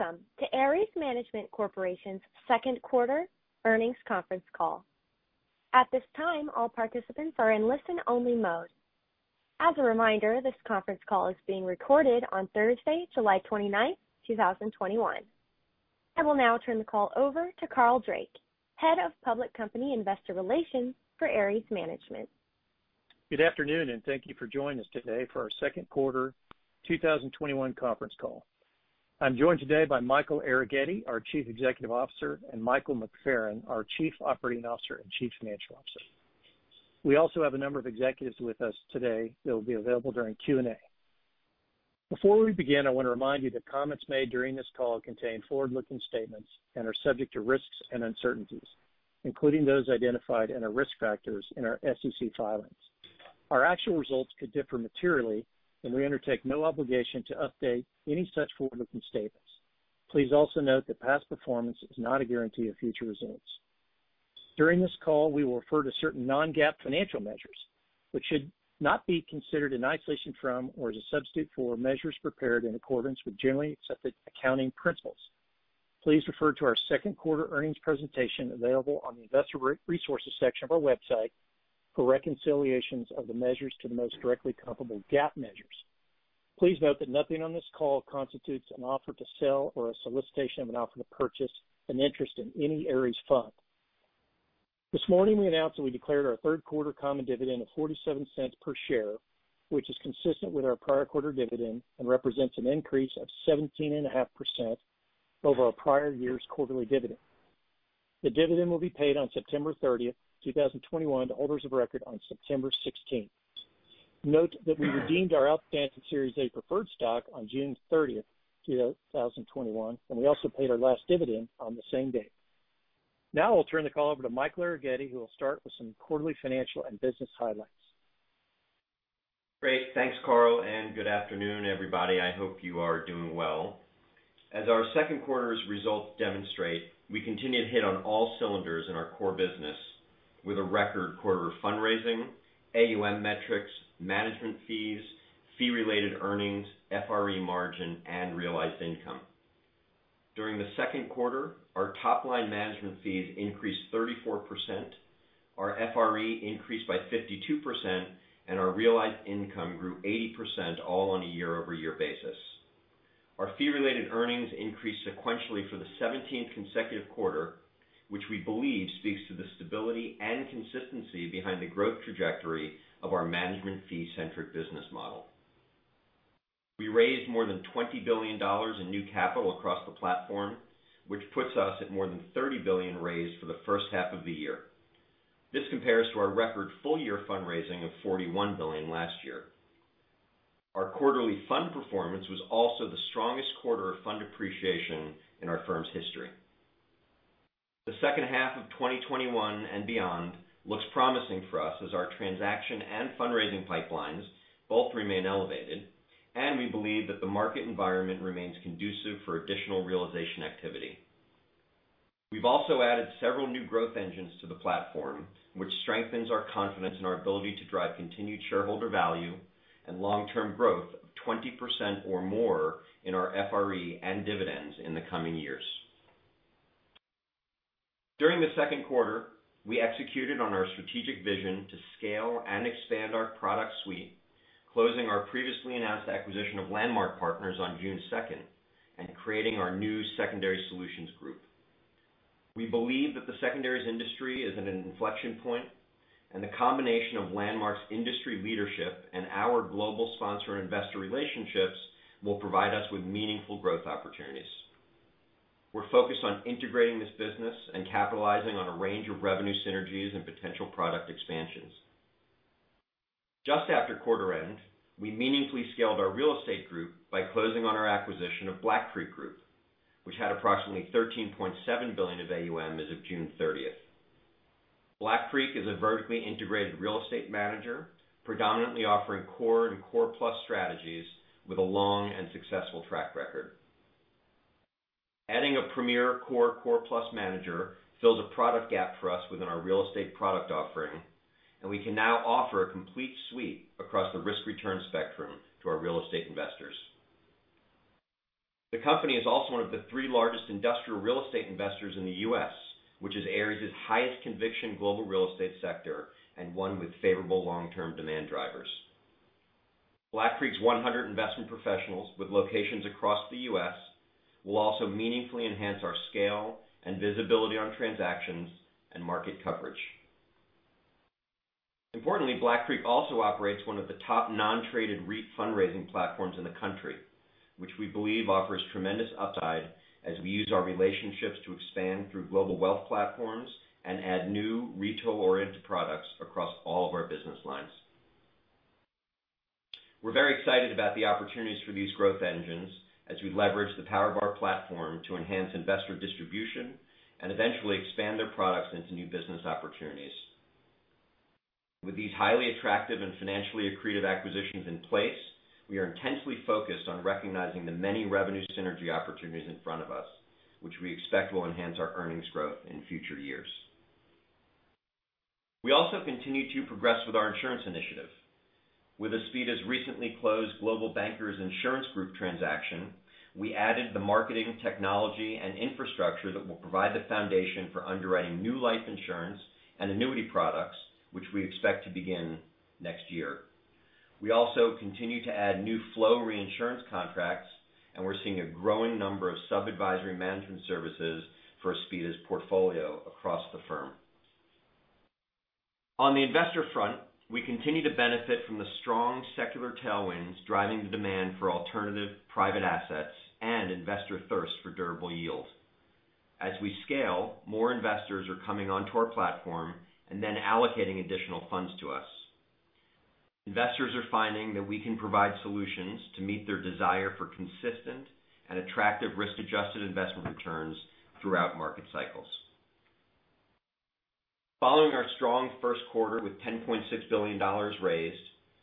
Welcome to Ares Management Corporation's second quarter earnings conference call. At this time, all participants are in listen only mode. As a reminder, this conference call is being recorded on Thursday, July 29th, 2021. I will now turn the call over to Carl Drake, head of public company investor relations for Ares Management. Good afternoon, thank you for joining us today for our second quarter 2021 conference call. I'm joined today by Michael Arougheti, our Chief Executive Officer, and Michael McFerran, our Chief Operating Officer and Chief Financial Officer. We also have a number of executives with us today that will be available during Q&A. Before we begin, I want to remind you that comments made during this call contain forward-looking statements and are subject to risks and uncertainties, including those identified in our risk factors in our SEC filings. Our actual results could differ materially, and we undertake no obligation to update any such forward-looking statements. Please also note that past performance is not a guarantee of future results. During this call, we will refer to certain non-GAAP financial measures, which should not be considered in isolation from or as a substitute for measures prepared in accordance with generally accepted accounting principles. Please refer to our second quarter earnings presentation available on the investor resources section of our website for reconciliations of the measures to the most directly comparable GAAP measures. Please note that nothing on this call constitutes an offer to sell or a solicitation of an offer to purchase an interest in any Ares fund. This morning, we announced that we declared our third quarter common dividend of $0.47 per share, which is consistent with our prior quarter dividend and represents an increase of 17.5% over our prior year's quarterly dividend. The dividend will be paid on September 30th, 2021 to holders of record on September 16th. Note that we redeemed our outstanding Series A preferred stock on June 30th, 2021, and we also paid our last dividend on the same day. I'll turn the call over to Michael Arougheti, who will start with some quarterly financial and business highlights. Great. Thanks, Carl, and good afternoon, everybody. I hope you are doing well. As our second quarter's results demonstrate, we continue to hit on all cylinders in our core business with a record quarter of fundraising, AUM metrics, management fees, fee related earnings, FRE margin, and realized income. During the second quarter, our top line management fees increased 34%, our FRE increased by 52%, and our realized income grew 80%, all on a year-over-year basis. Our fee related earnings increased sequentially for the 17th consecutive quarter, which we believe speaks to the stability and consistency behind the growth trajectory of our management fee centric business model. We raised more than $20 billion in new capital across the platform, which puts us at more than $30 billion raised for the first half of the year. This compares to our record full year fundraising of $41 billion last year. Our quarterly fund performance was also the strongest quarter of fund appreciation in our firm's history. The second half of 2021 and beyond looks promising for us as our transaction and fundraising pipelines both remain elevated, and we believe that the market environment remains conducive for additional realization activity. We've also added several new growth engines to the platform, which strengthens our confidence in our ability to drive continued shareholder value and long-term growth of 20% or more in our FRE and dividends in the coming years. During the second quarter, we executed on our strategic vision to scale and expand our product suite, closing our previously announced acquisition of Landmark Partners on June 2nd and creating our new Secondary Solutions Group. We believe that the secondaries industry is at an inflection point, and the combination of Landmark Partners' industry leadership and our global sponsor and investor relationships will provide us with meaningful growth opportunities. We are focused on integrating this business and capitalizing on a range of revenue synergies and potential product expansions. Just after quarter end, we meaningfully scaled our real estate group by closing on our acquisition of Black Creek Group, which had approximately $13.7 billion of AUM as of June 30th. Black Creek is a vertically integrated real estate manager, predominantly offering core and core plus strategies with a long and successful track record. Adding a premier core plus manager fills a product gap for us within our real estate product offering, and we can now offer a complete suite across the risk return spectrum to our real estate investors. The company is also one of the three largest industrial real estate investors in the U.S., which is Ares' highest conviction global real estate sector and one with favorable long term demand drivers. Black Creek's 100 investment professionals with locations across the U.S. will also meaningfully enhance our scale and visibility on transactions and market coverage. Importantly, Black Creek also operates one of the top non-traded REIT fundraising platforms in the country, which we believe offers tremendous upside as we use our relationships to expand through global wealth platforms and add new retail-oriented products across all of our business lines. We're very excited about the opportunities for these growth engines as we leverage the power of our platform to enhance investor distribution and eventually expand their products into new business opportunities. With these highly attractive and financially accretive acquisitions in place, we are intensely focused on recognizing the many revenue synergy opportunities in front of us, which we expect will enhance our earnings growth in future years. We also continue to progress with our insurance initiative. With Aspida's recently closed Global Bankers Insurance Group transaction, we added the marketing technology and infrastructure that will provide the foundation for underwriting new life insurance and annuity products, which we expect to begin next year. We also continue to add new flow reinsurance contracts, and we're seeing a growing number of sub-advisory management services for Aspida's portfolio across the firm. On the investor front, we continue to benefit from the strong secular tailwinds driving the demand for alternative private assets and investor thirst for durable yield. As we scale, more investors are coming onto our platform and then allocating additional funds to us. Investors are finding that we can provide solutions to meet their desire for consistent and attractive risk-adjusted investment returns throughout market cycles. Following our strong first quarter with $10.6 billion raised,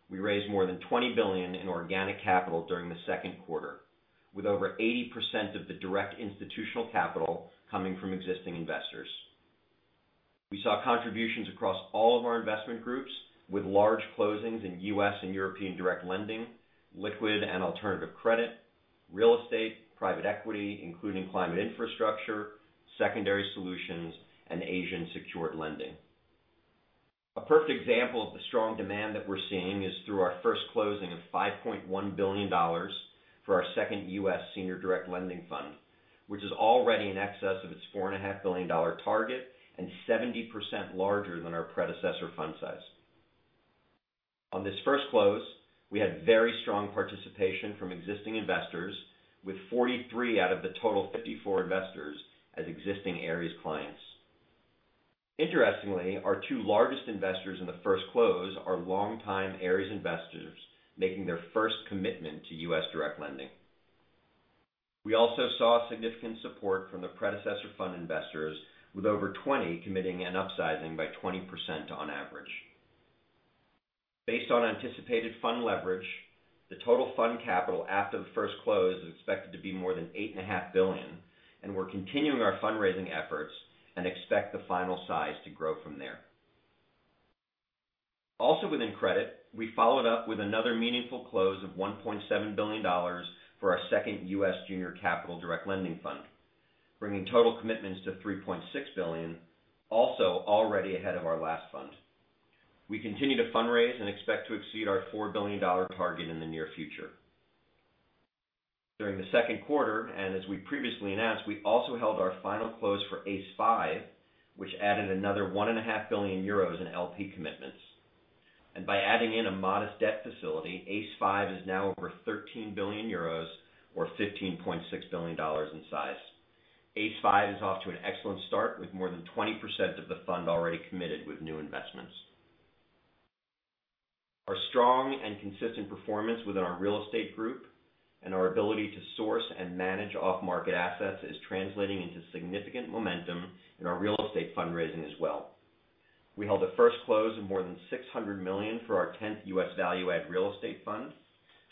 we raised more than $20 billion in organic capital during the second quarter, with over 80% of the direct institutional capital coming from existing investors. We saw contributions across all of our investment groups with large closings in U.S. and European direct lending, liquid and alternative credit, real estate, private equity, including climate infrastructure, secondary solutions, and Asian secured lending. A perfect example of the strong demand that we're seeing is through our first closing of $5.1 billion for our second U.S. Senior Direct Lending Fund, which is already in excess of its $4.5 billion target and 70% larger than our predecessor fund size. On this first close, we had very strong participation from existing investors with 43 out of the total 54 investors as existing Ares clients. Interestingly, our two largest investors in the first close are longtime Ares investors, making their first commitment to U.S. direct lending. We also saw significant support from the predecessor fund investors, with over 20 committing and upsizing by 20% on average. Based on anticipated fund leverage, the total fund capital after the first close is expected to be more than $8.5 billion. We're continuing our fundraising efforts and expect the final size to grow from there. Also within credit, we followed up with another meaningful close of $1.7 billion for our second U.S. Junior Capital Direct Lending Fund, bringing total commitments to $3.6 billion, also already ahead of our last fund. We continue to fundraise and expect to exceed our $4 billion target in the near future. During the second quarter, as we previously announced, we also held our final close for ACE V, which added another 1.5 billion euros in LP commitments. By adding in a modest debt facility, ACE V is now over 13 billion euros, or $15.6 billion in size. ACE V is off to an excellent start with more than 20% of the fund already committed with new investments. Our strong and consistent performance within our real estate group and our ability to source and manage off-market assets is translating into significant momentum in our real estate fundraising as well. We held a first close of more than $600 million for our 10th U.S. value add real estate fund,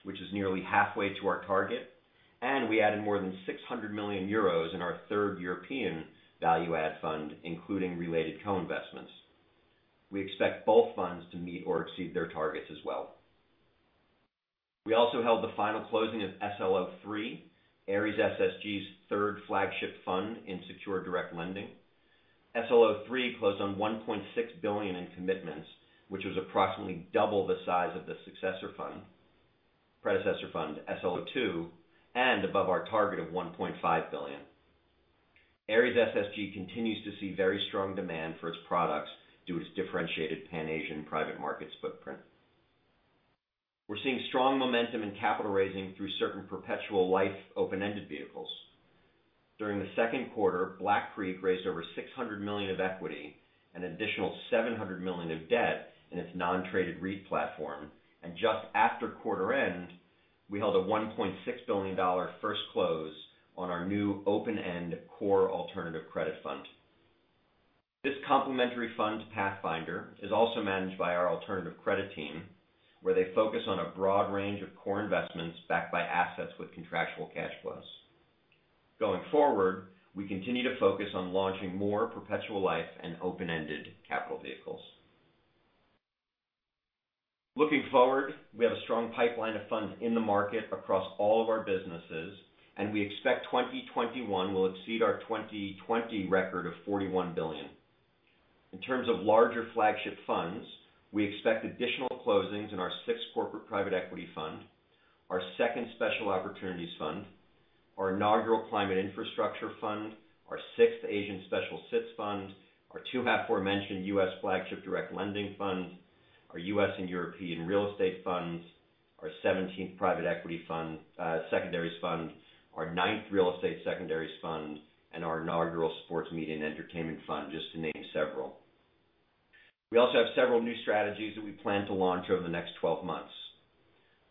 which is nearly halfway to our target. We added more than €600 million in our third European value add fund, including related co-investments. We expect both funds to meet or exceed their targets as well. We also held the final closing of SLO3, Ares SSG's third flagship fund in Senior Direct Lending. SLO3 closed on $1.6 billion in commitments, which was approximately double the size of the predecessor fund, SLO2, and above our target of $1.5 billion. Ares SSG continues to see very strong demand for its products due to its differentiated pan-Asian private markets footprint. We're seeing strong momentum in capital raising through certain perpetual life open-ended vehicles. During the second quarter, Black Creek raised over $600 million of equity, an additional $700 million of debt in its non-traded REIT platform, and just after quarter end, we held a $1.6 billion first close on our new open-end core alternative credit fund. This complementary fund, Pathfinder, is also managed by our alternative credit team, where they focus on a broad range of core investments backed by assets with contractual cash flows. Going forward, we continue to focus on launching more perpetual life and open-ended capital vehicles. Looking forward, we have a strong pipeline of funds in the market across all of our businesses, and we expect 2021 will exceed our 2020 record of $41 billion. In terms of larger flagship funds, we expect additional closings in our sixth corporate private equity fund, our second Special Opportunities Fund, our inaugural Climate Infrastructure Fund, our sixth Asian Special SSG Fund, our aforementioned U.S. flagship Senior Direct Lending Fund, our U.S. and European real estate funds, our 17th private equity fund, secondaries fund, our ninth real estate secondaries fund, and our inaugural sports media and entertainment fund, just to name several. We also have several new strategies that we plan to launch over the next 12 months.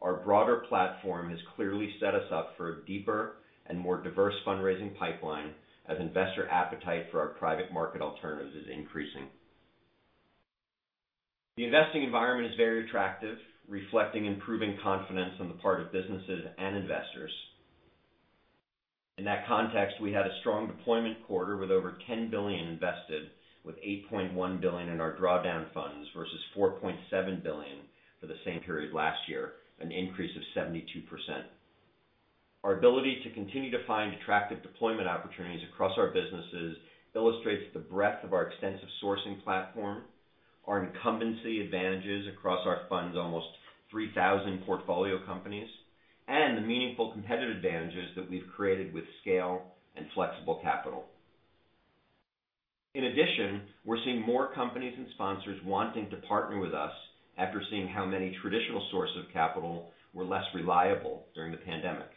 Our broader platform has clearly set us up for a deeper and more diverse fundraising pipeline as investor appetite for our private market alternatives is increasing. The investing environment is very attractive, reflecting improving confidence on the part of businesses and investors. In that context, we had a strong deployment quarter with over $10 billion invested, with $8.1 billion in our drawdown funds versus $4.7 billion for the same period last year, an increase of 72%. Our ability to continue to find attractive deployment opportunities across our businesses illustrates the breadth of our extensive sourcing platform, our incumbency advantages across our funds, almost 3,000 portfolio companies, and the meaningful competitive advantages that we've created with scale and flexible capital. In addition, we're seeing more companies and sponsors wanting to partner with us after seeing how many traditional sources of capital were less reliable during the pandemic.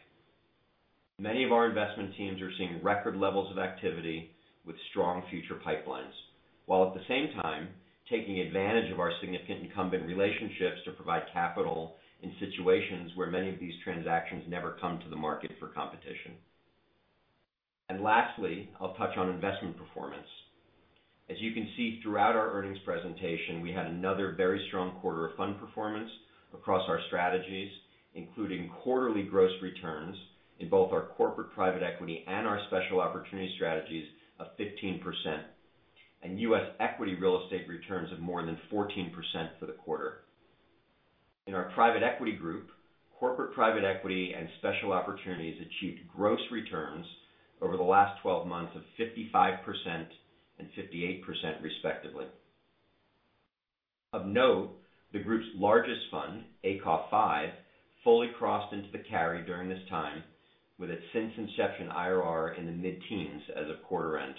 Many of our investment teams are seeing record levels of activity with strong future pipelines, while at the same time taking advantage of our significant incumbent relationships to provide capital in situations where many of these transactions never come to the market for competition. Lastly, I'll touch on investment performance. As you can see throughout our earnings presentation, we had another very strong quarter of fund performance across our strategies, including quarterly gross returns in both our corporate private equity and our special opportunity strategies of 15%, and U.S. equity real estate returns of more than 14% for the quarter. In our private equity group, corporate private equity and special opportunities achieved gross returns over the last 12 months of 55% and 58%, respectively. Of note, the group's largest fund, ACOF V, fully crossed into the carry during this time, with its since inception IRR in the mid-teens as of quarter end.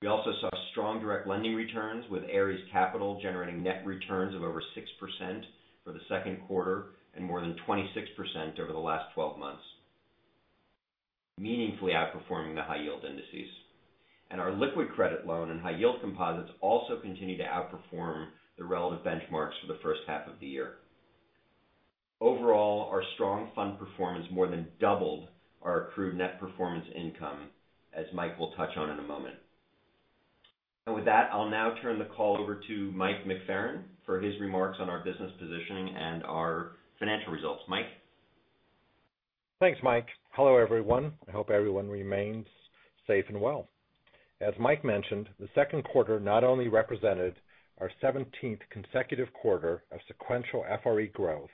We also saw strong direct lending returns with Ares Capital generating net returns of over 6% for the second quarter and more than 26% over the last 12 months, meaningfully outperforming the high yield indices. Our liquid credit loan and high yield composites also continue to outperform the relative benchmarks for the first half of the year. Overall, our strong fund performance more than doubled our accrued net performance income, as Mike will touch on in a moment. With that, I'll now turn the call over to Mike McFerran for his remarks on our business positioning and our financial results. Mike? Thanks, Mike. Hello, everyone. I hope everyone remains safe and well. As Mike mentioned, the second quarter not only represented our 17th consecutive quarter of sequential FRE growth,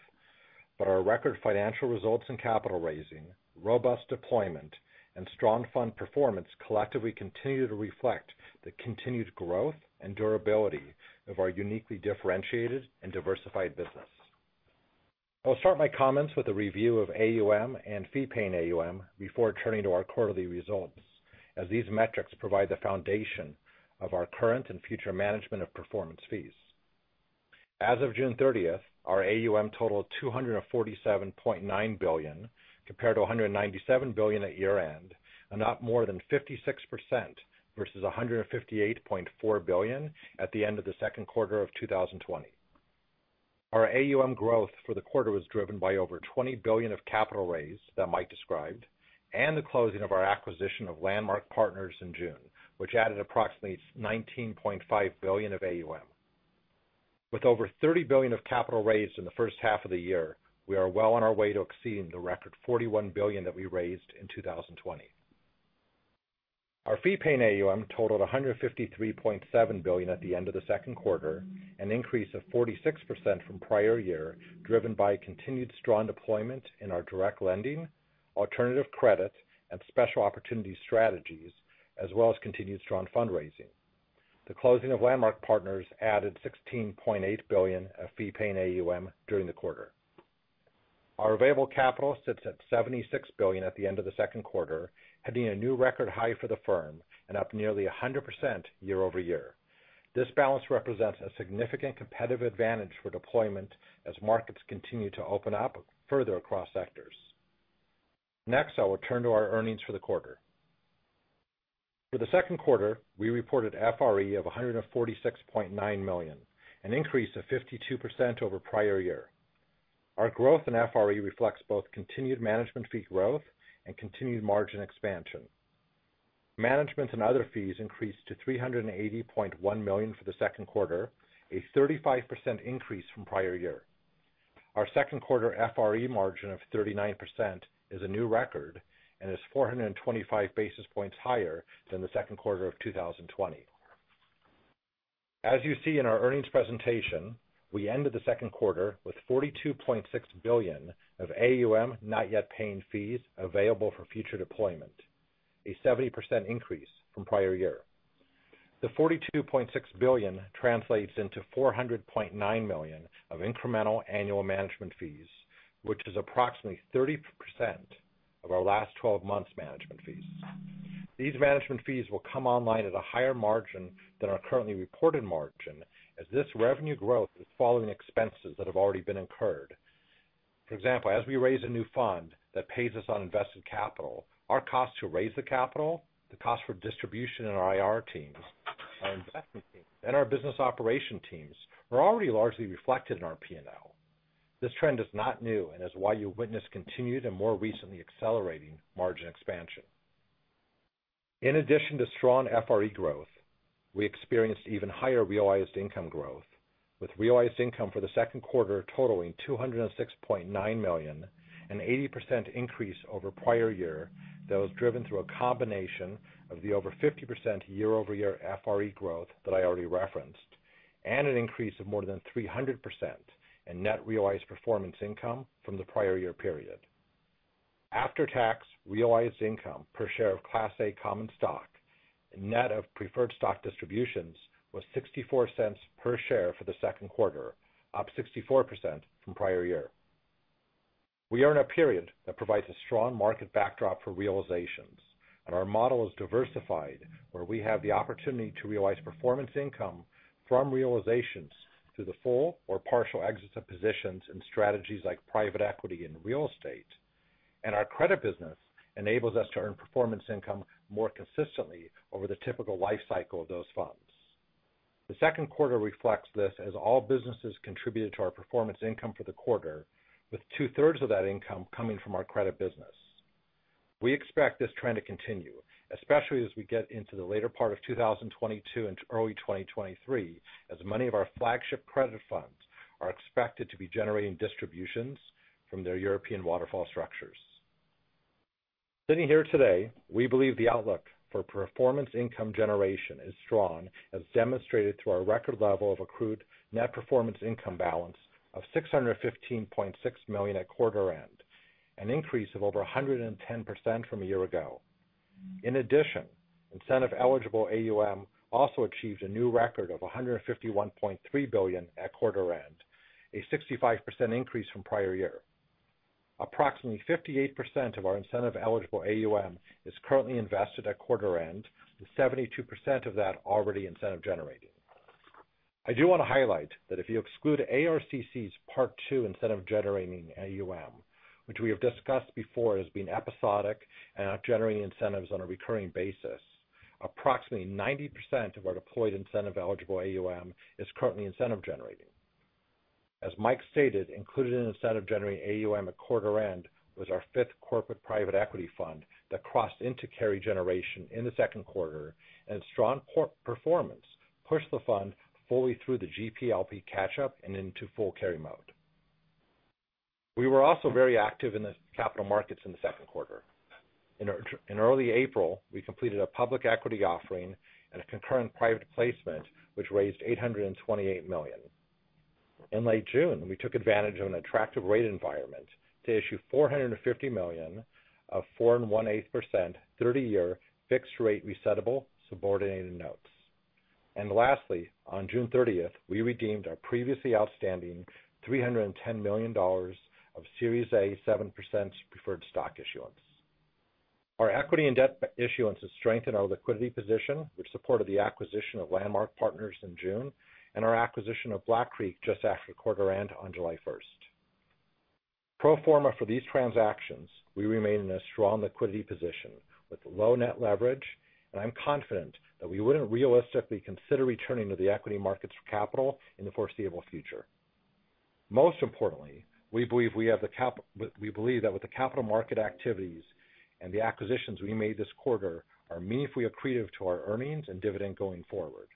but our record financial results in capital raising, robust deployment, and strong fund performance collectively continue to reflect the continued growth and durability of our uniquely differentiated and diversified business. I'll start my comments with a review of AUM and Fee-Paying AUM before turning to our quarterly results, as these metrics provide the foundation of our current and future management of performance fees. As of June 30th, our AUM totaled $247.9 billion, compared to $197 billion at year-end, and up more than 56% versus $158.4 billion at the end of the second quarter of 2020. Our AUM growth for the quarter was driven by over $20 billion of capital raised that Mike described, and the closing of our acquisition of Landmark Partners in June, which added approximately $19.5 billion of AUM. With over $30 billion of capital raised in the first half of the year, we are well on our way to exceeding the record $41 billion that we raised in 2020. Our fee-paying AUM totaled $153.7 billion at the end of the second quarter, an increase of 46% from prior year, driven by continued strong deployment in our direct lending, alternative credit, and special opportunity strategies, as well as continued strong fundraising. The closing of Landmark Partners added $16.8 billion of fee-paying AUM during the quarter. Our available capital sits at $76 billion at the end of the second quarter, hitting a new record high for the firm and up nearly 100% year-over-year. This balance represents a significant competitive advantage for deployment as markets continue to open up further across sectors. Next, I will turn to our earnings for the quarter. For the second quarter, we reported FRE of $146.9 million, an increase of 52% over prior year. Our growth in FRE reflects both continued management fee growth and continued margin expansion. Management and other fees increased to $380.1 million for the second quarter, a 35% increase from prior year. Our second quarter FRE margin of 39% is a new record and is 425 basis points higher than the second quarter of 2020. As you see in our earnings presentation, we ended the second quarter with $42.6 billion of AUM not yet paying fees available for future deployment, a 70% increase from prior year. The $42.6 billion translates into $400.9 million of incremental annual management fees, which is approximately 30% of our last 12 months management fees. These management fees will come online at a higher margin than our currently reported margin, as this revenue growth is following expenses that have already been incurred. For example, as we raise a new fund that pays us on invested capital, our cost to raise the capital, the cost for distribution in our IR teams, our investment teams, and our business operation teams are already largely reflected in our P&L. This trend is not new and is why you'll witness continued and more recently accelerating margin expansion. In addition to strong FRE growth, we experienced even higher realized income growth, with realized income for the second quarter totaling $206.9 million, an 80% increase over prior year that was driven through a combination of the over 50% year-over-year FRE growth that I already referenced, and an increase of more than 300% in net realized performance income from the prior year period. After-tax realized income per share of Class A common stock net of preferred stock distributions was $0.64 per share for the second quarter, up 64% from prior year. We are in a period that provides a strong market backdrop for realizations. Our model is diversified, where we have the opportunity to realize performance income from realizations through the full or partial exits of positions in strategies like private equity and real estate. Our credit business enables us to earn performance income more consistently over the typical life cycle of those funds. The second quarter reflects this as all businesses contributed to our performance income for the quarter, with two-thirds of that income coming from our credit business. We expect this trend to continue, especially as we get into the later part of 2022 into early 2023, as many of our flagship credit funds are expected to be generating distributions from their European waterfall structures. Sitting here today, we believe the outlook for performance income generation is strong, as demonstrated through our record level of accrued net performance income balance of $615.6 million at quarter end, an increase of over 110% from a year ago. Incentive-eligible AUM also achieved a new record of $151.3 billion at quarter end, a 65% increase from prior year. Approximately 58% of our incentive-eligible AUM is currently invested at quarter end, with 72% of that already incentive generating. I do want to highlight that if you exclude ARCC's Part II incentive-generating AUM, which we have discussed before as being episodic and not generating incentives on a recurring basis, approximately 90% of our deployed incentive-eligible AUM is currently incentive generating. As Mike stated, included in incentive-generating AUM at quarter end was our fifth corporate private equity fund that crossed into carry generation in the second quarter, and strong performance pushed the fund fully through the GP-LP catch-up and into full carry mode. We were also very active in the capital markets in the second quarter. In early April, we completed a public equity offering and a concurrent private placement, which raised $828 million. In late June, we took advantage of an attractive rate environment to issue $450 million of 4.125%, 30-year fixed-rate resettable subordinated notes. Lastly, on June 30th, we redeemed our previously outstanding $310 million of Series A 7% preferred stock issuance. Our equity and debt issuance has strengthened our liquidity position, which supported the acquisition of Landmark Partners in June and our acquisition of Black Creek just after quarter end on July 1st. Pro forma for these transactions, we remain in a strong liquidity position with low net leverage, and I'm confident that we wouldn't realistically consider returning to the equity markets for capital in the foreseeable future. Most importantly, we believe that with the capital market activities and the acquisitions we made this quarter are meaningfully accretive to our earnings and dividend going forward.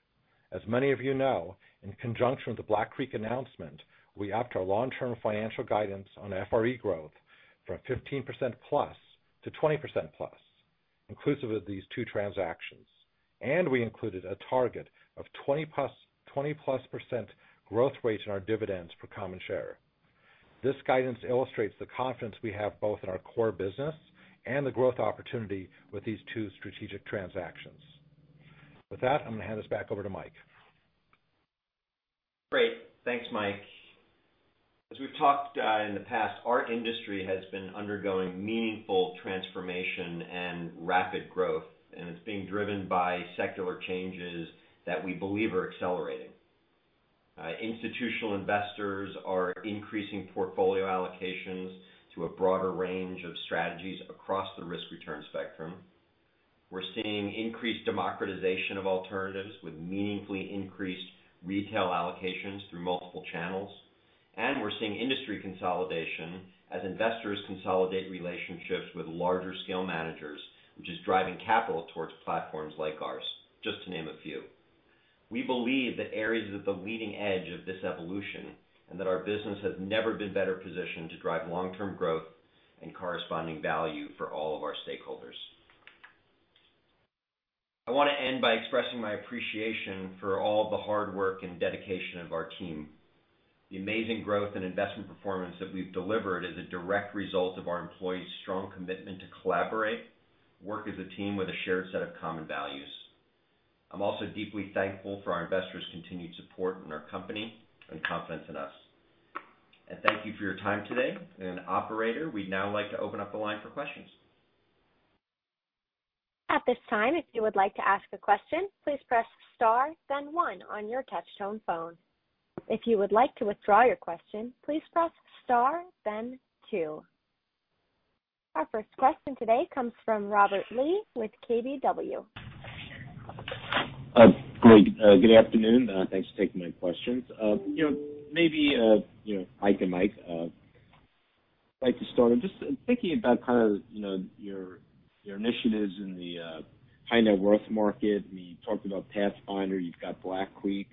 As many of you know, in conjunction with the Black Creek announcement, we upped our long-term financial guidance on FRE growth from 15%+ to 20%+, inclusive of these two transactions, and we included a target of 20%+ growth rate in our dividends per common share. This guidance illustrates the confidence we have both in our core business and the growth opportunity with these two strategic transactions. With that, I'm going to hand this back over to Mike. Great. Thanks, Mike. As we've talked in the past, our industry has been undergoing meaningful transformation and rapid growth, and it's being driven by secular changes that we believe are accelerating. Institutional investors are increasing portfolio allocations to a broader range of strategies across the risk-return spectrum. We're seeing increased democratization of alternatives with meaningfully increased retail allocations through multiple channels. We're seeing industry consolidation as investors consolidate relationships with larger scale managers, which is driving capital towards platforms like ours, just to name a few. We believe that Ares is at the leading edge of this evolution, and that our business has never been better positioned to drive long-term growth and corresponding value for all of our stakeholders. I want to end by expressing my appreciation for all the hard work and dedication of our team. The amazing growth and investment performance that we've delivered is a direct result of our employees' strong commitment to collaborate, work as a team with a shared set of common values. I'm also deeply thankful for our investors' continued support in our company and confidence in us. Thank you for your time today, operator, we'd now like to open up the line for questions. At this time if you would like to ask a question please press star then one on your touchtone phone. If you would like to withdraw your question please press star then two. Our first question today comes from Robert Lee with KBW. Great. Good afternoon. Thanks for taking my questions. Maybe, Mike and Mike, like to start with just thinking about your initiatives in the high net worth market. You talked about Pathfinder. You've got Black Creek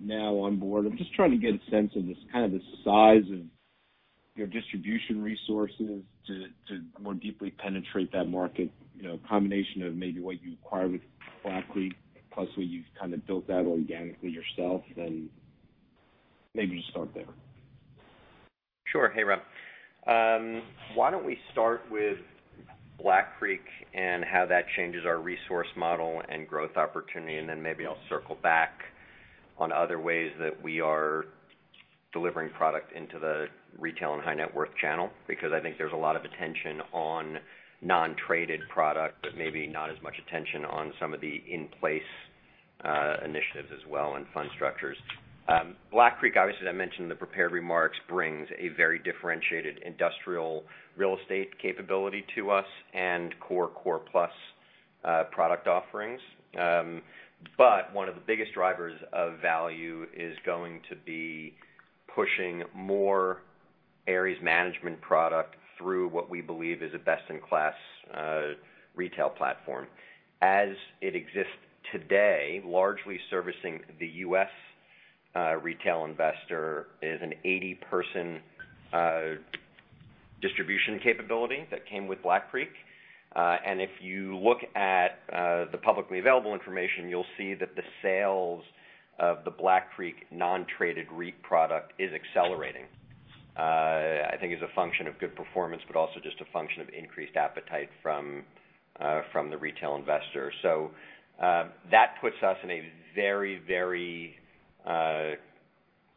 now on board. I'm just trying to get a sense of just the size of your distribution resources to more deeply penetrate that market, a combination of maybe what you acquired with Black Creek, plus what you've built out organically yourself. Maybe just start there. Sure. Hey, Rob. Why don't we start with Black Creek and how that changes our resource model and growth opportunity, and then maybe I'll circle back on other ways that we are delivering product into the retail and high net worth channel. I think there's a lot of attention on non-traded product, but maybe not as much attention on some of the in-place initiatives as well, and fund structures. Black Creek, obviously, as I mentioned in the prepared remarks, brings a very differentiated industrial real estate capability to us and core plus product offerings. One of the biggest drivers of value is going to be pushing more Ares Management product through what we believe is a best-in-class retail platform. As it exists today, largely servicing the U.S. retail investor is an 80-person distribution capability that came with Black Creek. If you look at the publicly available information, you'll see that the sales of the Black Creek non-traded REIT product is accelerating. I think as a function of good performance, but also just a function of increased appetite from the retail investor. That puts us in a very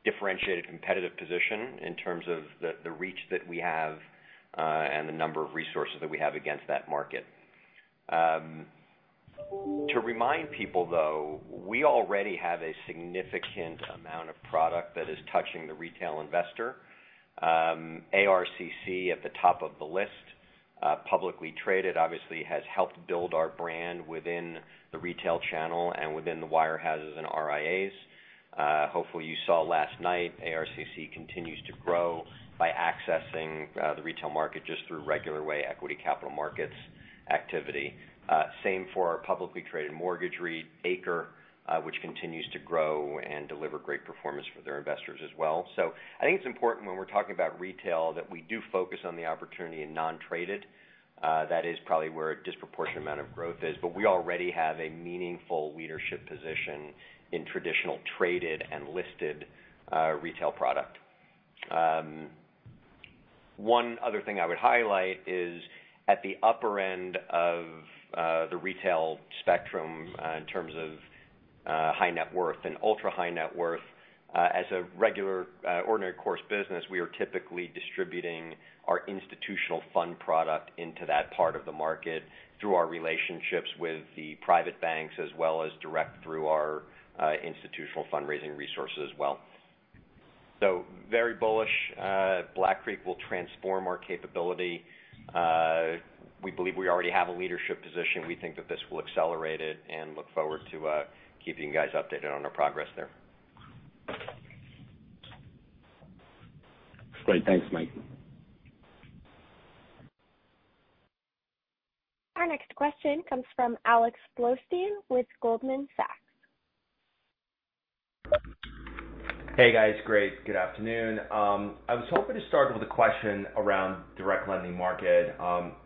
differentiated competitive position in terms of the reach that we have and the number of resources that we have against that market. To remind people, though, we already have a significant amount of product that is touching the retail investor. ARCC at the top of the list. Publicly traded obviously has helped build our brand within the retail channel and within the wire houses and RIAs. Hopefully, you saw last night, ARCC continues to grow by accessing the retail market just through regular way equity capital markets activity. Same for our publicly traded mortgage REIT ACRE, which continues to grow and deliver great performance for their investors as well. I think it's important when we're talking about retail, that we do focus on the opportunity in non-traded. That is probably where a disproportionate amount of growth is. We already have a meaningful leadership position in traditional traded and listed retail product. One other thing I would highlight is at the upper end of the retail spectrum in terms of high net worth and ultra-high net worth. As a regular ordinary course business, we are typically distributing our institutional fund product into that part of the market through our relationships with the private banks, as well as direct through our institutional fundraising resources as well. Very bullish. Black Creek will transform our capability. We believe we already have a leadership position. We think that this will accelerate it and look forward to keeping you guys updated on our progress there. Great. Thanks, Mike. Our next question comes from Alex Blostein with Goldman Sachs. Hey, guys. Great. Good afternoon. I was hoping to start with a question around direct lending market.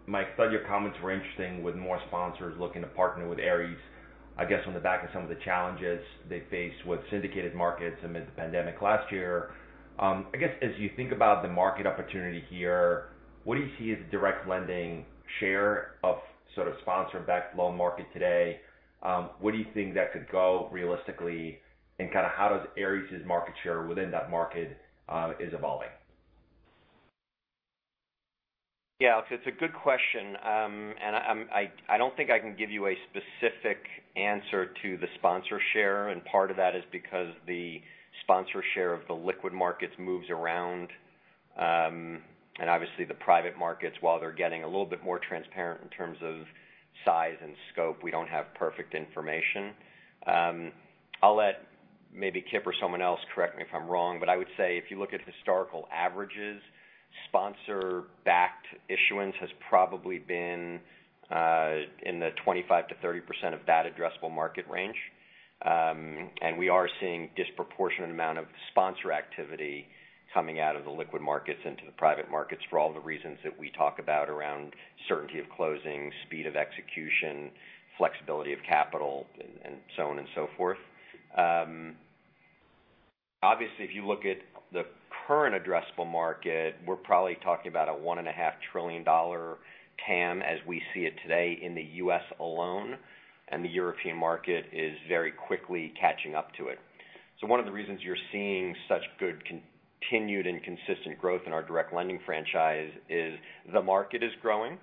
Mike, I thought your comments were interesting with more sponsors looking to partner with Ares, I guess, on the back of some of the challenges they faced with syndicated markets amid the pandemic last year. I guess as you think about the market opportunity here, what do you see as direct lending share of sort of sponsor-backed loan market today? Where do you think that could go realistically, how does Ares' market share within that market is evolving? Yeah, Alex, it's a good question. I don't think I can give you a specific answer to the sponsor share, and part of that is because the sponsor share of the liquid markets moves around. Obviously the private markets, while they're getting a little bit more transparent in terms of size and scope, we don't have perfect information. I'll let maybe Kip or someone else correct me if I'm wrong. I would say if you look at historical averages, sponsor-backed issuance has probably been in the 25%-30% of that addressable market range. We are seeing disproportionate amount of sponsor activity coming out of the liquid markets into the private markets for all the reasons that we talk about around certainty of closing, speed of execution, flexibility of capital, and so on and so forth. Obviously, if you look at the current addressable market, we're probably talking about a $1.5 trillion TAM as we see it today in the U.S. alone, and the European market is very quickly catching up to it. One of the reasons you're seeing such good continued and consistent growth in our direct lending franchise is the market is growing,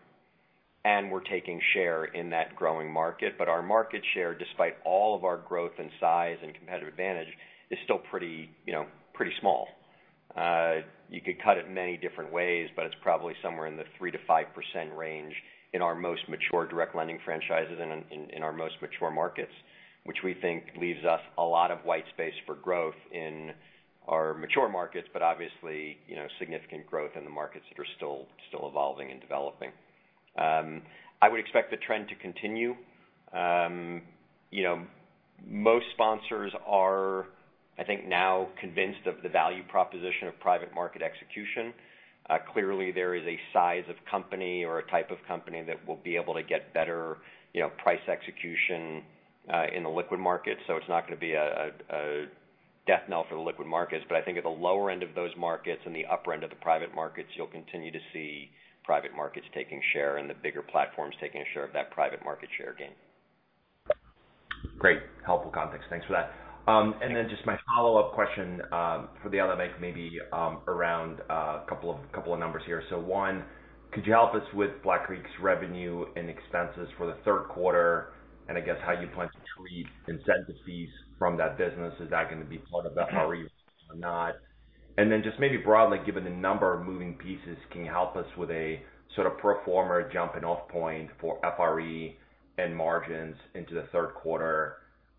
and we're taking share in that growing market. Our market share, despite all of our growth and size and competitive advantage, is still pretty small. You could cut it many different ways, but it's probably somewhere in the 3%-5% range in our most mature direct lending franchises and in our most mature markets, which we think leaves us a lot of white space for growth in our mature markets, but obviously, significant growth in the markets that are still evolving and developing. I would expect the trend to continue. Most sponsors are, I think now convinced of the value proposition of private market execution. Clearly, there is a size of company or a type of company that will be able to get better price execution in the liquid markets. It's not going to be a death knell for the liquid markets, but I think at the lower end of those markets and the upper end of the private markets, you'll continue to see private markets taking share and the bigger platforms taking a share of that private market share gain. Great helpful context. Thanks for that. Yeah. Just my follow-up question for the other Mike, maybe around a couple of numbers here. One, could you help us with Black Creek's revenue and expenses for the third quarter, I guess how you plan to treat incentive fees from that business? Is that going to be part of the FRE or not? Just maybe broadly, given the number of moving pieces, can you help us with a sort of pro forma jumping off point for FRE and margins into the thirrd quarter?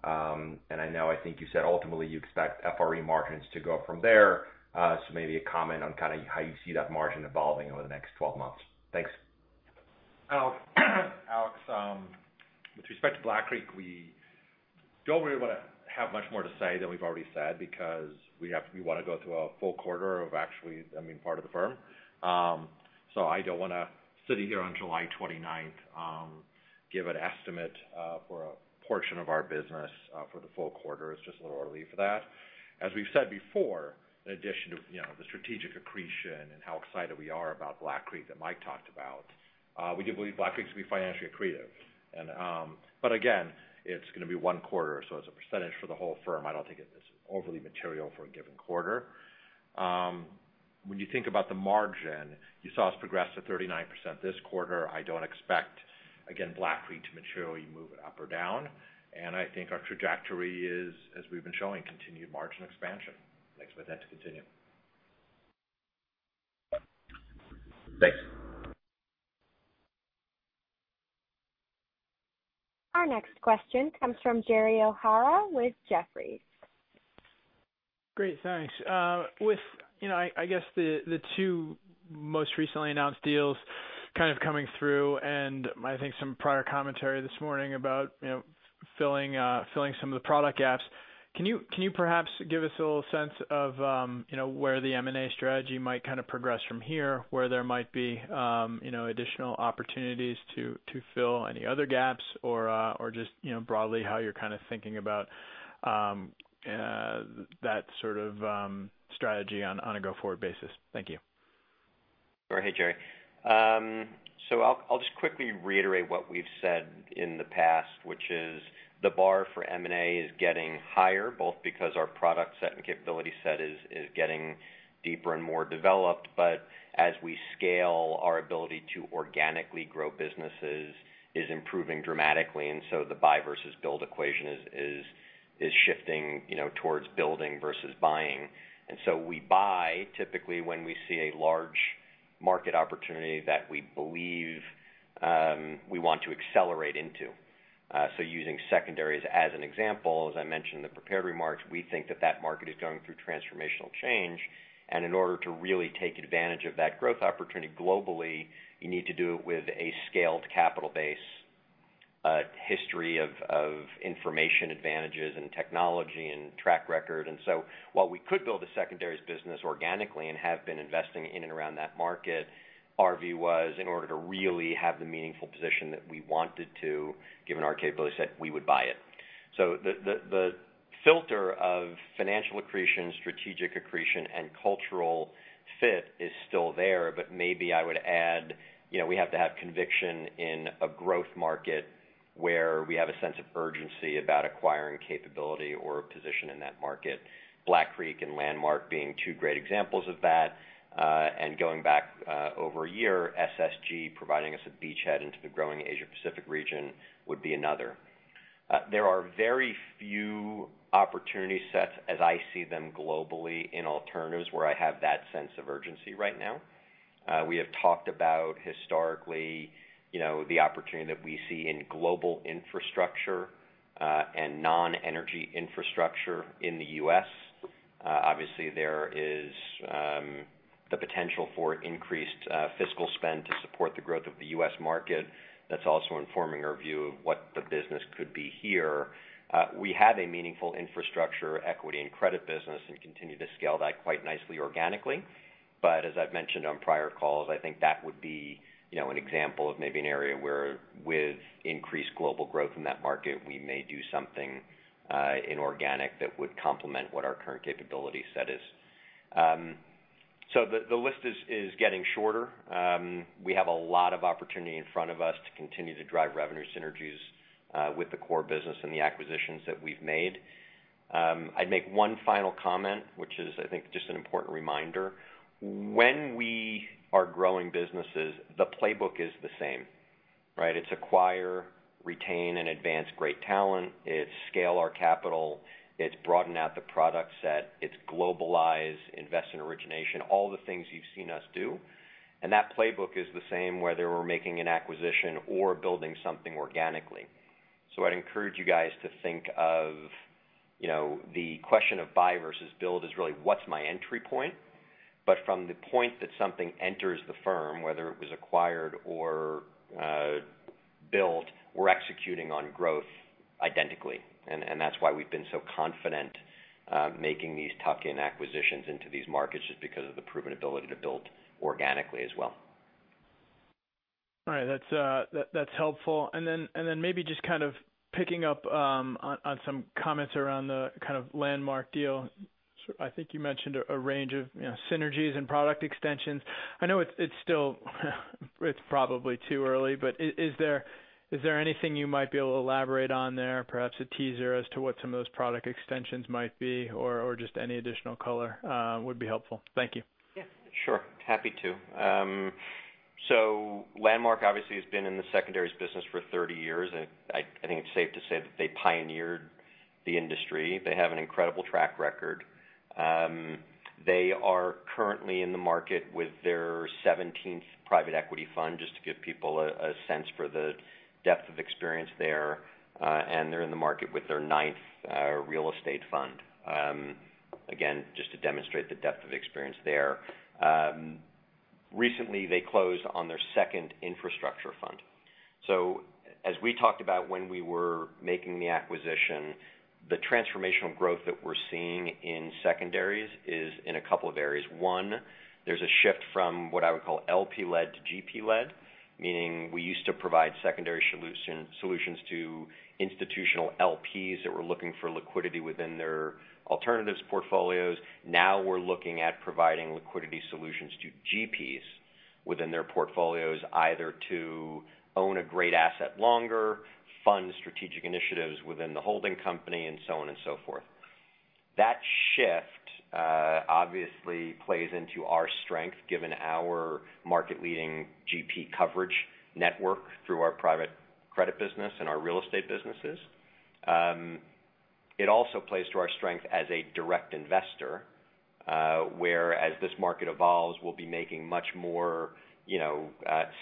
I know, I think you said ultimately you expect FRE margins to go up from there. Maybe a comment on how you see that margin evolving over the next 12 months. Thanks. Alex, with respect to Black Creek, we don't really want to have much more to say than we've already said because we want to go through a full quarter of actually being part of the firm. I don't want to, sitting here on July 29th, give an estimate for a portion of our business for the full quarter. It's just a little early for that. As we've said before, in addition to the strategic accretion and how excited we are about Black Creek that Mike talked about, we do believe Black Creek's going to be financially accretive. Again, it's going to be one quarter. As a percentage for the whole firm, I don't think it is overly material for a given quarter. When you think about the margin, you saw us progress to 39% this quarter. I don't expect, again, Black Creek to materially move it up or down. I think our trajectory is, as we've been showing, continued margin expansion. Expect that to continue. Thanks. Our next question comes from Gerald O'Hara with Jefferies. Great, thanks. With, I guess the two most recently announced deals kind of coming through, and I think some prior commentary this morning about filling some of the product gaps. Can you perhaps give us a little sense of where the M&A strategy might kind of progress from here? Where there might be additional opportunities to fill any other gaps or just broadly how you're kind of thinking about that sort of strategy on a go-forward basis. Thank you. Sure. Hey, Jerry. I'll just quickly reiterate what we've said in the past, which is the bar for M&A is getting higher, both because our product set and capability set is getting deeper and more developed. As we scale our ability to organically grow businesses is improving dramatically, the buy versus build equation is shifting towards building versus buying. We buy typically when we see a large market opportunity that we believe we want to accelerate into. Using secondaries as an example, as I mentioned in the prepared remarks, we think that that market is going through transformational change. In order to really take advantage of that growth opportunity globally, you need to do it with a scaled capital base, history of information advantages and technology and track record. While we could build a secondaries business organically and have been investing in and around that market, our view was in order to really have the meaningful position that we wanted to, given our capability set, we would buy it. The filter of financial accretion, strategic accretion, and cultural fit is still there. Maybe I would add, we have to have conviction in a growth market where we have a sense of urgency about acquiring capability or a position in that market. Black Creek and Landmark being two great examples of that. Going back, over a year, SSG providing us a beachhead into the growing Asia Pacific region would be another. There are very few opportunity sets as I see them globally in alternatives where I have that sense of urgency right now. We have talked about historically, the opportunity that we see in global infrastructure, and non-energy infrastructure in the U.S. Obviously, there is the potential for increased fiscal spend to support the growth of the U.S. market. That's also informing our view of what the business could be here. We have a meaningful infrastructure equity and credit business and continue to scale that quite nicely organically. As I've mentioned on prior calls, I think that would be an example of maybe an area where with increased global growth in that market, we may do something inorganic that would complement what our current capability set is. The list is getting shorter. We have a lot of opportunity in front of us to continue to drive revenue synergies with the core business and the acquisitions that we've made. I'd make one final comment, which is I think just an important reminder. When we are growing businesses, the playbook is the same. Right. It's acquire, retain, and advance great talent. It's scale our capital. It's broaden out the product set. It's globalize, invest in origination, all the things you've seen us do. That playbook is the same, whether we're making an acquisition or building something organically. I'd encourage you guys to think of the question of buy versus build as really, what's my entry point? From the point that something enters the firm, whether it was acquired or built, we're executing on growth identically. That's why we've been so confident making these tuck-in acquisitions into these markets just because of the proven ability to build organically as well. All right. That's helpful. Maybe just kind of picking up on some comments around the kind of Landmark deal. I think you mentioned a range of synergies and product extensions. I know it's probably too early, is there anything you might be able to elaborate on there? Perhaps a teaser as to what some of those product extensions might be or just any additional color would be helpful. Thank you. Yeah, sure. Happy to. Landmark obviously has been in the secondaries business for 30 years, and I think it's safe to say that they pioneered the industry. They have an incredible track record. They are currently in the market with their 17th private equity fund, just to give people a sense for the depth of experience there. They're in the market with their ninth real estate fund. Again, just to demonstrate the depth of experience there. Recently, they closed on their second infrastructure fund. As we talked about when we were making the acquisition, the transformational growth that we're seeing in secondaries is in a couple of areas. One, there's a shift from what I would call LP-led to GP-led, meaning we used to provide secondary solutions to institutional LPs that were looking for liquidity within their alternatives portfolios. We're looking at providing liquidity solutions to GPs within their portfolios, either to own a great asset longer, fund strategic initiatives within the holding company, and so on and so forth. That shift obviously plays into our strength, given our market-leading GP coverage network through our private credit business and our real estate businesses. It also plays to our strength as a direct investor where, as this market evolves, we'll be making much more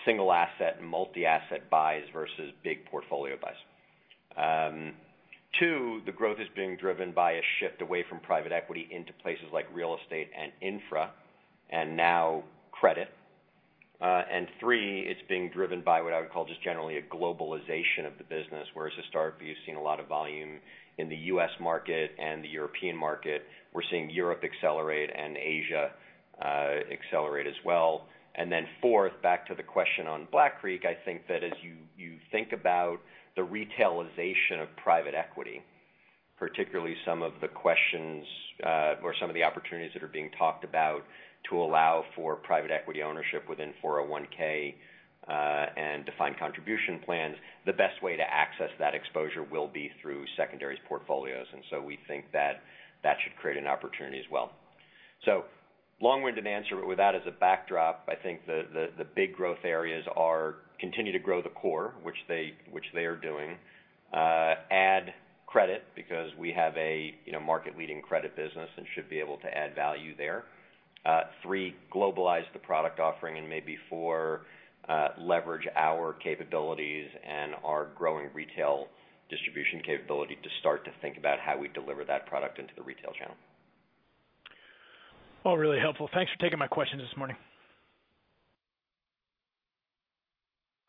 single asset and multi-asset buys versus big portfolio buys. Two, the growth is being driven by a shift away from private equity into places like real estate and infra, now credit. Three, it's being driven by what I would call just generally a globalization of the business. Whereas historically you've seen a lot of volume in the U.S. market and the European market, we're seeing Europe accelerate and Asia accelerate as well. Fourth, back to the question on BlackRock, I think that as you think about the retailization of private equity, particularly some of the questions or some of the opportunities that are being talked about to allow for private equity ownership within 401(k) and defined contribution plans, the best way to access that exposure will be through secondaries portfolios. We think that that should create an opportunity as well. Long-winded answer. With that as a backdrop, I think the big growth areas continue to grow the core, which they are doing. Add credit because we have a market-leading credit business and should be able to add value there. three, globalize the product offering, maybe four, leverage our capabilities and our growing retail distribution capability to start to think about how we deliver that product into the retail channel. All really helpful. Thanks for taking my questions this morning.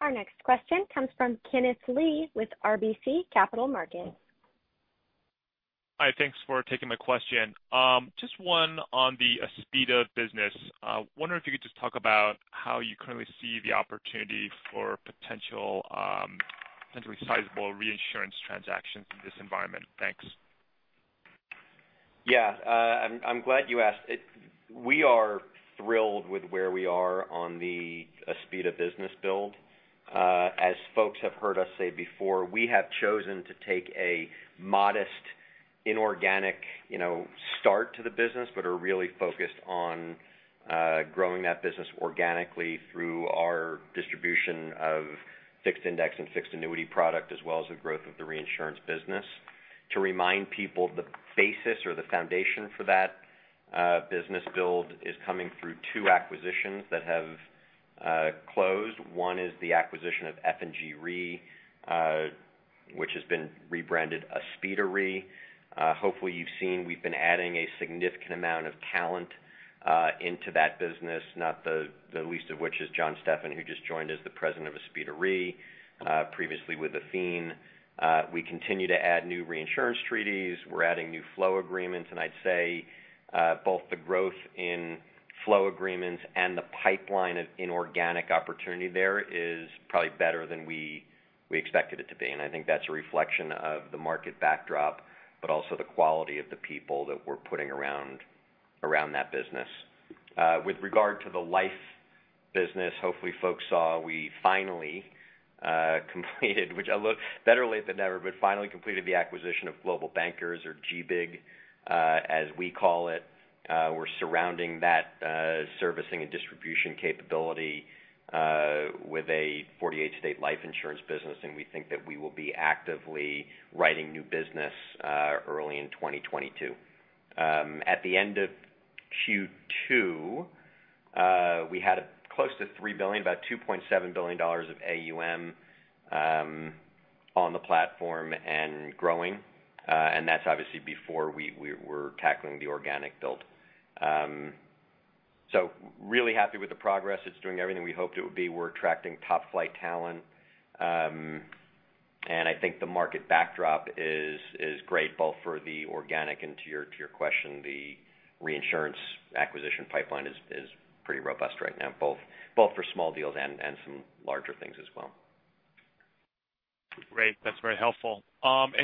Our next question comes from Kenneth Lee with RBC Capital Markets. Hi. Thanks for taking my question. Just one on the Aspida business. Wondering if you could just talk about how you currently see the opportunity for potential sizeable reinsurance transactions in this environment. Thanks. I'm glad you asked. We are thrilled with where we are on the Aspida business build. As folks have heard us say before, we have chosen to take a modest, inorganic start to the business, but are really focused on growing that business organically through our distribution of fixed index and fixed annuity product, as well as the growth of the reinsurance business. To remind people, the basis or the foundation for that business build is coming through two acquisitions that have closed. One is the acquisition of F&G Re which has been rebranded Aspida Re. Hopefully, you've seen we've been adding a significant amount of talent into that business, not the least of which is John Stephan, who just joined as the President of Aspida Re, previously with Athene. We continue to add new reinsurance treaties. We're adding new flow agreements. I'd say both the growth in flow agreements and the pipeline of inorganic opportunity there is probably better than we expected it to be, and I think that's a reflection of the market backdrop, but also the quality of the people that we're putting around that business. With regard to the life business. Hopefully, folks saw we finally completed, better late than never, but finally completed the acquisition of Global Bankers, or GBIG, as we call it. We're surrounding that servicing and distribution capability with a 48-state life insurance business. We think that we will be actively writing new business early in 2022. At the end of Q2, we had close to $3 billion, about $2.7 billion of AUM on the platform and growing. That's obviously before we're tackling the organic build. Really happy with the progress. It's doing everything we hoped it would be. We're attracting top-flight talent. I think the market backdrop is great both for the organic, and to your question, the reinsurance acquisition pipeline is pretty robust right now, both for small deals and some larger things as well. Great. That's very helpful.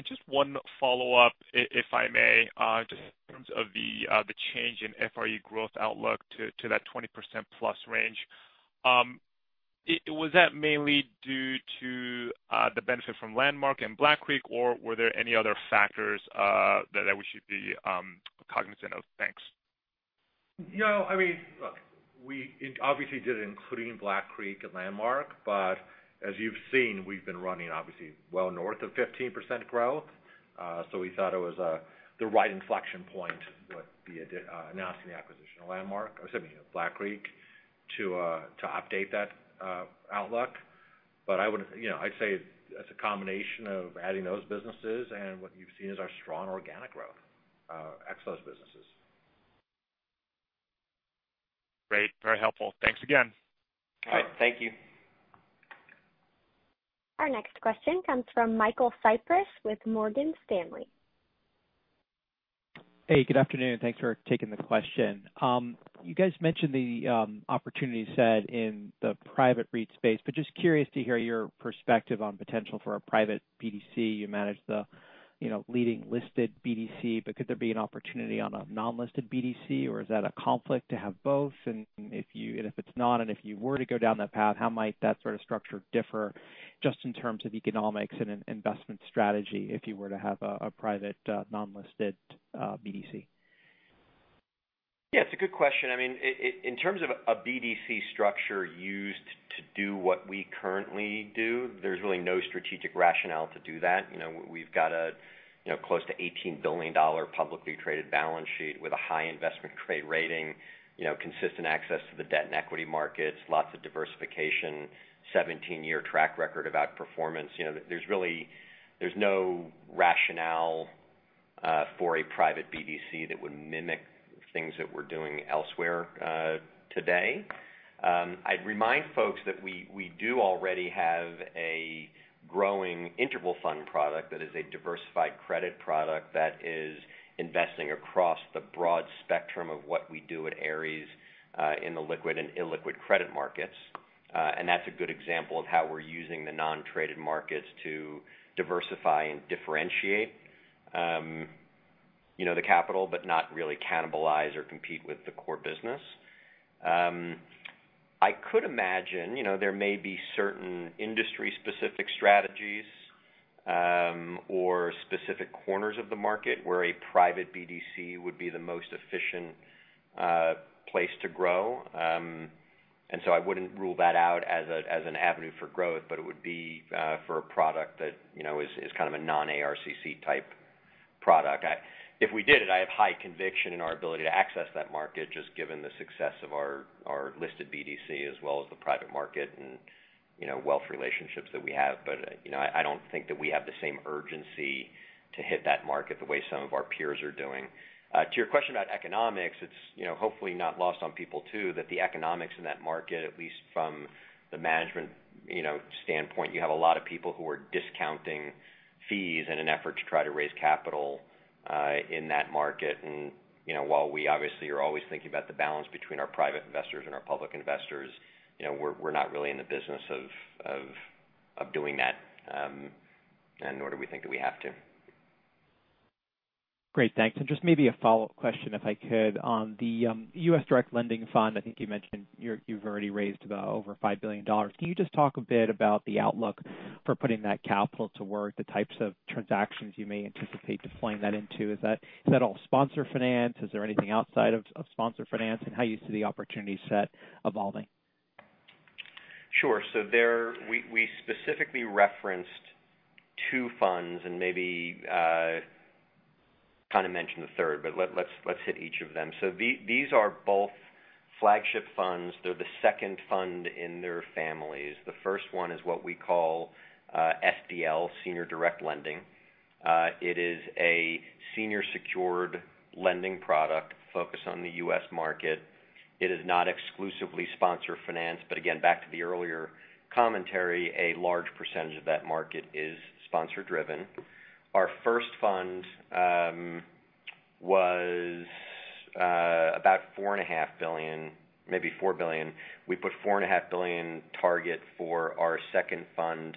Just one follow-up, if I may. Just in terms of the change in FRE growth outlook to that 20%+ range. Was that mainly due to the benefit from Landmark and Black Creek, or were there any other factors that we should be cognizant of? Thanks. Look, we obviously did it including Black Creek and Landmark, as you've seen, we've been running obviously well north of 15% growth. We thought it was the right inflection point with announcing the acquisition of Landmark, or excuse me, Black Creek, to update that outlook. I'd say it's a combination of adding those businesses and what you've seen is our strong organic growth ex those businesses. Great. Very helpful. Thanks again. All right. Thank you. Our next question comes from Michael Cyprys with Morgan Stanley. Hey, good afternoon. Thanks for taking the question. You guys mentioned the opportunity set in the private REIT space, but just curious to hear your perspective on potential for a private BDC. You manage the leading listed BDC, but could there be an opportunity on a non-listed BDC, or is that a conflict to have both? If it's not, and if you were to go down that path, how might that sort of structure differ just in terms of economics and investment strategy if you were to have a private non-listed BDC? Yeah, it's a good question. In terms of a BDC structure used to do what we currently do, there's really no strategic rationale to do that. We've got a close to $18 billion publicly traded balance sheet with a high investment grade rating, consistent access to the debt and equity markets, lots of diversification, 17-year track record of outperformance. There's no rationale for a private BDC that would mimic things that we're doing elsewhere today. I'd remind folks that we do already have a growing interval fund product that is a diversified credit product that is investing across the broad spectrum of what we do at Ares in the liquid and illiquid credit markets. That's a good example of how we're using the non-traded markets to diversify and differentiate the capital, but not really cannibalize or compete with the core business. I could imagine there may be certain industry-specific strategies or specific corners of the market where a private BDC would be the most efficient place to grow. I wouldn't rule that out as an avenue for growth, but it would be for a product that is kind of a non-ARCC type product. If we did it, I have high conviction in our ability to access that market, just given the success of our listed BDC as well as the private market and wealth relationships that we have. I don't think that we have the same urgency to hit that market the way some of our peers are doing. To your question about economics, it's hopefully not lost on people too that the economics in that market, at least from the management standpoint, you have a lot of people who are discounting fees in an effort to try to raise capital in that market. While we obviously are always thinking about the balance between our private investors and our public investors, we're not really in the business of doing that, nor do we think that we have to. Great. Thanks. Just maybe a follow-up question, if I could. On the U.S. direct lending fund, I think you mentioned you've already raised about over $5 billion. Can you just talk a bit about the outlook for putting that capital to work, the types of transactions you may anticipate deploying that into? Is that all sponsor finance? Is there anything outside of sponsor finance, and how you see the opportunity set evolving? Sure. There we specifically referenced two funds and maybe kind of mentioned the third, but let's hit each of them. These are both flagship funds. They're the second fund in their families. The first one is what we call SDL, Senior Direct Lending. It is a senior secured lending product focused on the U.S. market. It is not exclusively sponsor finance, but again, back to the earlier commentary, a large percentage of that market is sponsor driven. Our first fund was about $4.5 billion, maybe $4 billion. We put $4.5 billion target for our second fund.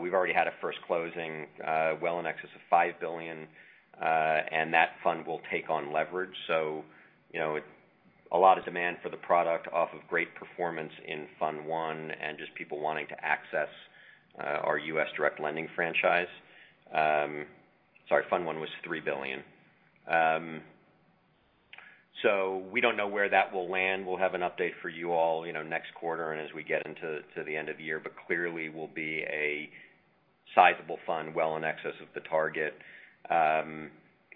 We've already had a first closing well in excess of $5 billion. That fund will take on leverage. A lot of demand for the product off of great performance in Fund 1 and just people wanting to access our U.S. direct lending franchise. Sorry, Fund 1 was $3 billion. We don't know where that will land. We'll have an update for you all next quarter and as we get into the end of the year. Clearly will be a sizable fund well in excess of the target,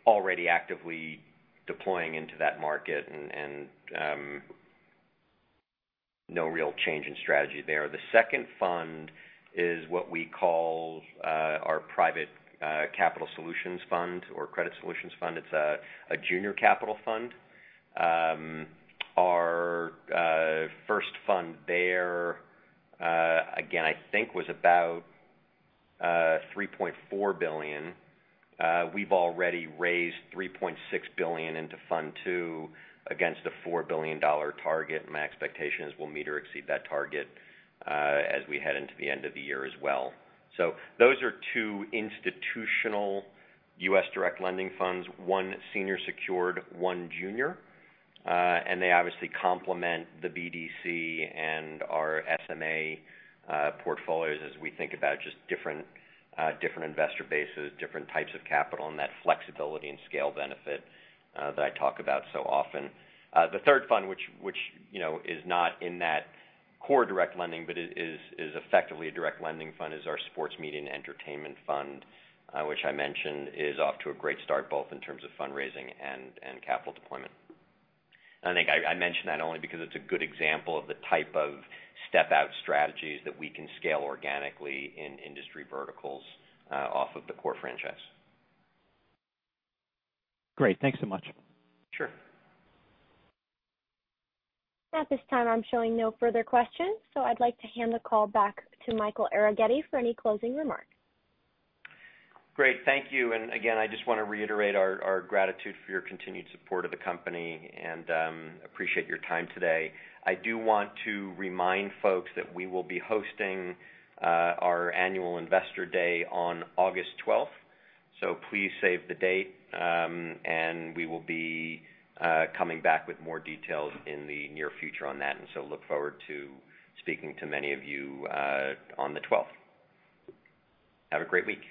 already actively deploying into that market and no real change in strategy there. The second fund is what we call our private capital solutions fund or credit solutions fund. It's a junior capital fund. Our first fund there, again, I think was about $3.4 billion. We've already raised $3.6 billion into Fund 2 against a $4 billion target, and my expectation is we'll meet or exceed that target as we head into the end of the year as well. Those are two institutional U.S. direct lending funds, one senior secured, one junior. They obviously complement the BDC and our SMA portfolios as we think about just different investor bases, different types of capital, and that flexibility and scale benefit that I talk about so often. The third fund, which is not in that core direct lending, but is effectively a direct lending fund, is our Sports Media and Entertainment Fund, which I mentioned is off to a great start, both in terms of fundraising and capital deployment. I think I mention that only because it's a good example of the type of step-out strategies that we can scale organically in industry verticals off of the core franchise. Great. Thanks so much. Sure. At this time, I'm showing no further questions. I'd like to hand the call back to Michael Arougheti for any closing remarks. Great. Thank you. Again, I just want to reiterate our gratitude for your continued support of the company and appreciate your time today. I do want to remind folks that we will be hosting our annual investor day on August 12th. Please save the date, we will be coming back with more details in the near future on that, look forward to speaking to many of you on the 12th. Have a great week.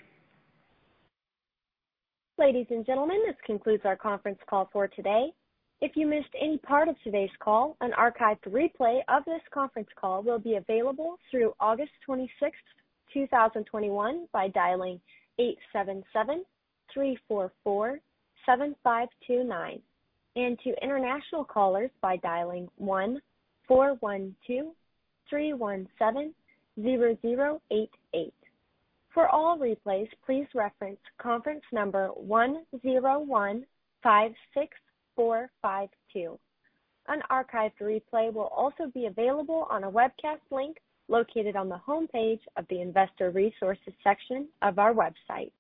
Ladies and gentlemen, this concludes our conference call for today. If you missed any part of today's call, an archived replay of this conference call will be available through August 26th, 2021 by dialing 877-344-7529 and to international callers by dialing 1-412-317-0088. For all replays, please reference conference number 10156452. An archived replay will also be available on a webcast link located on the homepage of the investor resources section of our website.